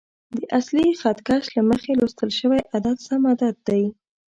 د اصلي خط کش له مخې لوستل شوی عدد سم عدد دی.